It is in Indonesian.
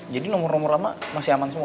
jadi nomer nomer lama masih aman semua